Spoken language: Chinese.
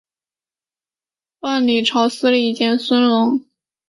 万历朝司礼监孙隆曾于万历十七年斥巨资修筑白沙堤并重建望湖亭。